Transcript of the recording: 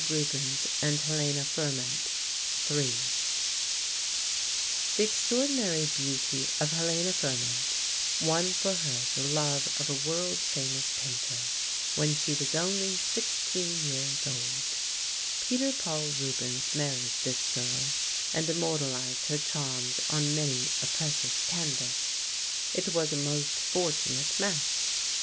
BY RUBENS] THE WIFE IN ART Peter Paul Rubens and Helena Fourment THREE The extraordinary beauty of Helena Fourment won for her the love of a world famous painter when she was only sixteen years old. Peter Paul Rubens married this girl, and immortalized her charms on many a precious canvas. It was a most fortunate match.